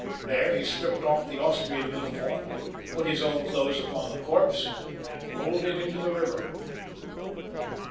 There he stripped off the Austrian uniform, put his own clothes upon the corpse and rolled it into the river.